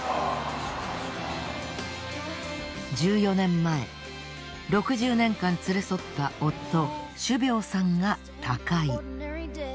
１４年前６０年間連れ添った夫種苗さんが他界。